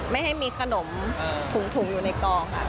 ไม่ให้มีขนมถุงอยู่ในกองค่ะ